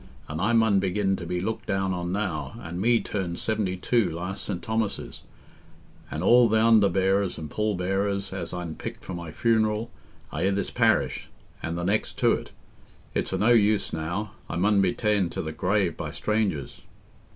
an' I mun begin to be looked down on now, an' me turned seventy two last St. Thomas's, an' all th' underbearers and pall bearers as I'n picked for my funeral are i' this parish and the next to 't.... It's o' no use now... I mun be ta'en to the grave by strangers."